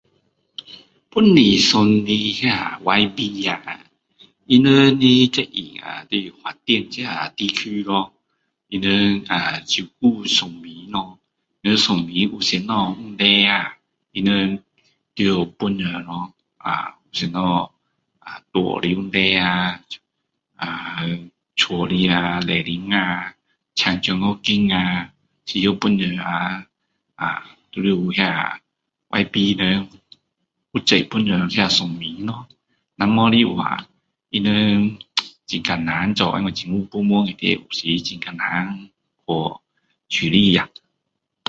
本地选的那YB呀他们的责任啊就是发展这地区咯他们照顾选民咯人选民什么问题啊他们需要帮助咯啊什么路的问题啊屋子的礼申啊请奖学金啊需要帮助啊都要有那些yb人负责帮助那些选民咯他们不然很难做因为政府部门里面有时政府部门很难去处理啊